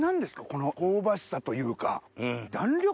この香ばしさというか弾力